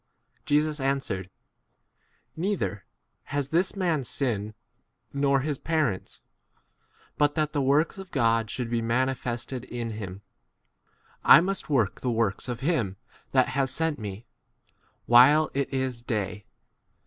Jesus answered, Neither has this [man] sinned nor his parents, but that the works of God should be manifested in him. 4 I must work the works of him that has sent me, while it is day.